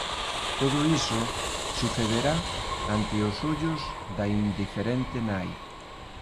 Todo iso sucederá ante os ollos da indiferente nai.